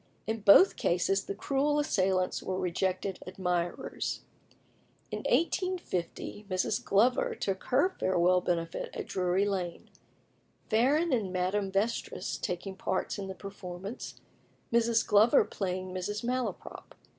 In both cases the cruel assailants were rejected admirers. In 1850 Mrs. Glover took her farewell benefit at Drury Lane; Farren and Madame Vestris taking parts in the performance Mrs. Glover playing Mrs. Malaprop.